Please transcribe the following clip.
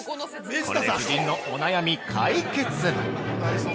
これで夫人のお悩み解決！